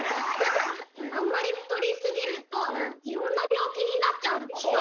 あんまり太りすぎるといろんなびょうきになっちゃうんでしょ。